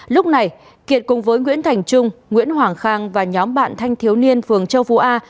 lúc này kiệt cùng với nguyễn thành trung nguyễn hoàng khang và nhóm bạn thanh thiếu niên phường châu phú a